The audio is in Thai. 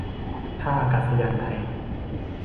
ท่าอากาศยานไทย